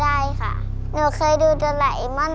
ตัวเลือกที่สอง๘คน